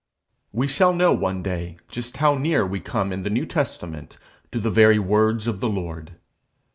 We shall know one day just how near we come in the New Testament to the very words of the Lord.